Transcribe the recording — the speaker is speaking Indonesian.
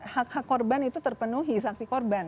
hak hak korban itu terpenuhi saksi korban